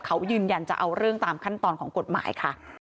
เขายืนยันจะเอาเรื่องตามขั้นตอนของกฎหมายค่ะ